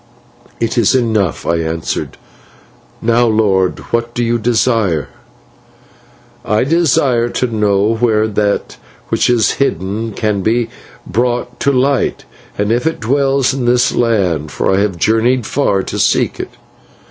"'It is enough,' I answered. 'Now, lord, what do you desire?' "'I desire to know where that which is hidden can be brought to light, and if it dwells in this land, for I have journeyed far to seek it.'